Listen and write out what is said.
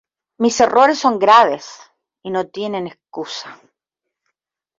Mis errores son graves y no tienen excusa.